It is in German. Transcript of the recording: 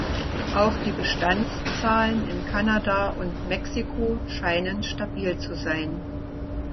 Auch die Bestandszahlen in Kanada und Mexiko scheinen stabil zu sein.